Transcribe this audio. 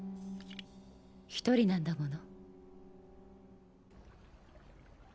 一人なんだもの。